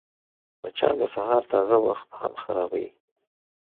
مچان د سهار تازه وخت هم خرابوي